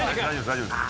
大丈夫です。